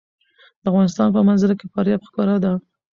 د افغانستان په منظره کې فاریاب ښکاره ده.